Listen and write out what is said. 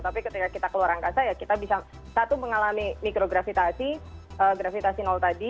tapi ketika kita keluar angkasa ya kita bisa satu mengalami mikrogravitasi gravitasi nol tadi